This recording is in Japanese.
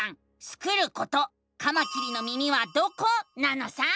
スクること「カマキリの耳はどこ？」なのさ！